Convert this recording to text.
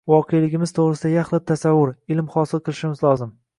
voqeligimiz to‘g‘risida yaxlit tasavvur – ilm hosil qilishimiz lozim.